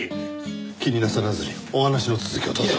気になさらずにお話の続きをどうぞ。